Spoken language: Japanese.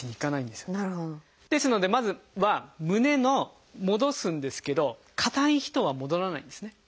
ですのでまずは胸の戻すんですけど硬い人は戻らないんですね。